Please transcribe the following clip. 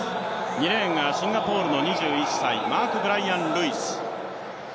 ２レーンがシンガポールの２１歳マークブライアン・ルイス。